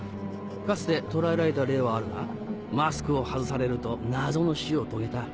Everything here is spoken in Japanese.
かつて捕らえられた例はあるがマスクを外されると謎の死を遂げた。